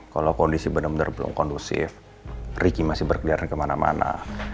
kalau kondisi benar benar belum kondusif ricky masih berkeliaran kemana mana